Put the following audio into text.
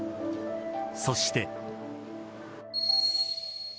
そして。